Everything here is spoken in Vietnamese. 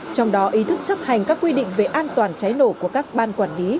trong đó ý thức chấp hành các quy định về an toàn cháy nổ của các ban quản lý